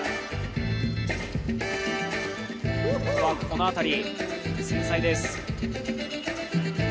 この辺り、繊細です。